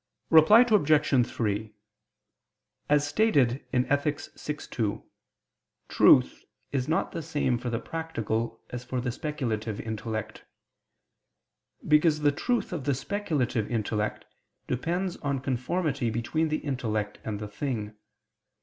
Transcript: Reply Obj. 3: As stated in Ethic. vi, 2, truth is not the same for the practical as for the speculative intellect. Because the truth of the speculative intellect depends on conformity between the intellect and the thing.